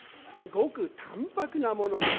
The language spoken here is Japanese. ごく淡泊なものでな」。